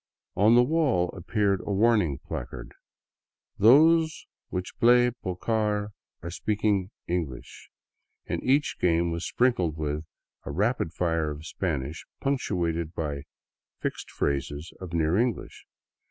On the wall appeared a warning placard, " Those which play pocar are speaking English," and each game was sprinkled with a rapid fire of Spanish, punctuated by fixed phrases of near English.